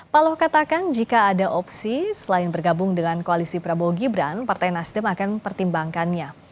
paloh katakan jika ada opsi selain bergabung dengan koalisi prabowo gibran partai nasdem akan mempertimbangkannya